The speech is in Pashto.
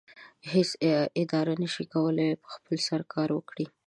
هیڅ اداره نشي کولی په خپل سر کار وکړي.